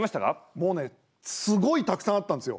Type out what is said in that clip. もうねすごいたくさんあったんですよ。